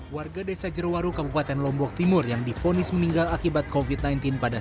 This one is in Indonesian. warga desa jeruwaru kabupaten lombok timur yang difonis meninggal akibat kofit sembilan belas pada